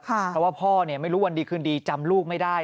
เพราะว่าพ่อไม่รู้วันดีคืนดีจำลูกไม่ได้